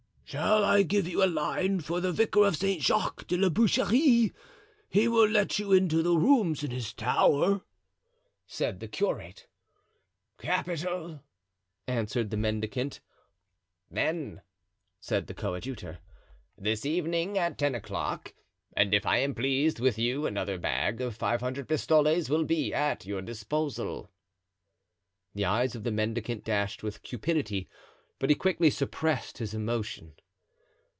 "Shall I give you a line for the vicar of St. Jacques de la Boucherie? he will let you into the rooms in his tower," said the curate. "Capital," answered the mendicant. "Then," said the coadjutor, "this evening, at ten o'clock, and if I am pleased with you another bag of five hundred pistoles will be at your disposal." The eyes of the mendicant dashed with cupidity, but he quickly suppressed his emotion.